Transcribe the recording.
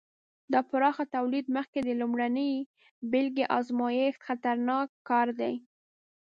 د پراخه تولید مخکې د لومړنۍ بېلګې ازمېښت خطرناک کار دی.